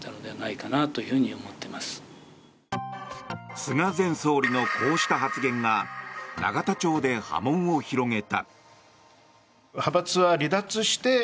菅前総理のこうした発言が永田町で波紋を広げた。